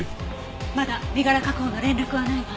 まだ身柄確保の連絡はないわ。